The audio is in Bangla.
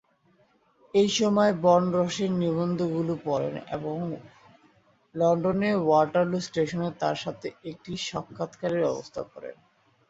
এইসময় বোর্ন রসের নিবন্ধগুলি পড়েন এবং লন্ডনের ওয়াটারলু স্টেশনে তাঁর সাথে একটি সাক্ষাৎকারের ব্যবস্থা করেন।